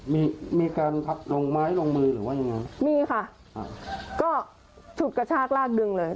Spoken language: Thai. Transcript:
มีมีการลงไม้ลงมือหรือว่ายังไงมีค่ะอ่าก็ฉุดกระชากลากดึงเลย